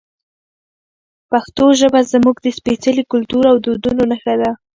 پښتو ژبه زموږ د سپېڅلي کلتور او دودونو نښه ده.